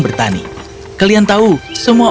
bertani kalian tahu semua